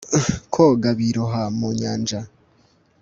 koga biroha mu nyanja